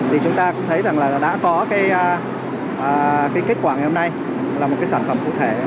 thì chúng ta cũng thấy rằng là đã có cái kết quả ngày hôm nay là một cái sản phẩm cụ thể